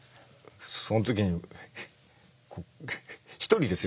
その時にこう一人ですよ